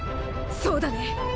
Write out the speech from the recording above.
そうだね！